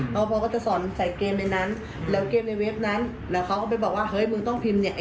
พอพอก็จะสอนใส่เกมในนั้นแล้วเกมในเว็บนั้นแล้วเขาก็ไปบอกว่าเฮ้ยมึงต้องพิมพ์เนี่ย